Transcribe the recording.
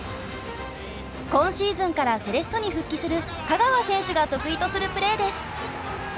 今シーズンからセレッソに復帰する香川選手が得意とするプレーです。